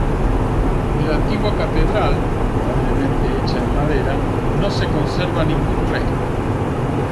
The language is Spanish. De la antigua catedral, probablemente hecha en madera, no se conserva ningún resto.